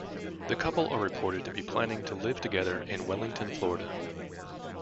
The couple are reported to be planning to live together in Wellington, Florida.